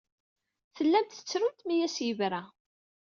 Tellamt tettrumt mi as-yebra.